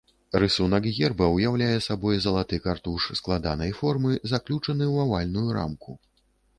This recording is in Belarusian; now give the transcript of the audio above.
Рысунак герба ўяўляе сабой залаты картуш складанай формы, заключаны ў авальную рамку.